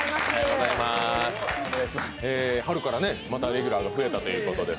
春からまたレギュラーが増えたみたいで。